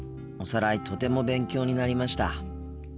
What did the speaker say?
おさらいとても勉強になりました。